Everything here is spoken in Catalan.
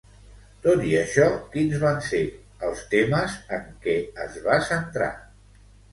Tot i això, quins van ser els temes en què es va centrar?